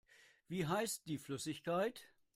Wie heißt die Flüssigkeit?